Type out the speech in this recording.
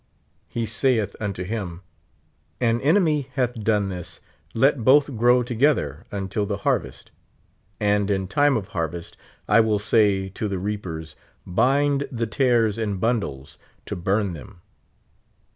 He sayeth unt him. An enemy hath done this ; let both grow togethe until the harvest ; and in time of harvest I will say t the reapers. Bind the tares in bundles, to bum them.